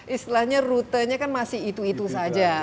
istilahnya rutenya kan masih itu itu saja